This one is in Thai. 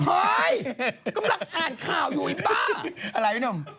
อะไรวะนุ่ม